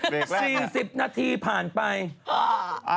เวสีสิบนาทีผ่านไป